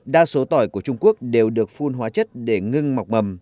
đa số tỏi của trung quốc đều được phun hóa chất để ngưng mọc mầm